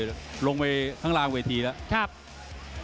ลงไปข้างล่างเวทีแล้ว